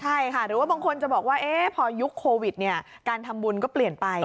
ใช่ค่ะหรือว่าบางคนจะบอกว่าพอยุคโควิดเนี่ยการทำบุญก็เปลี่ยนไป